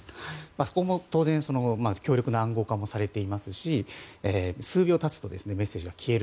そこも当然強力な暗号化もされていますし数秒経つとメッセージが消える。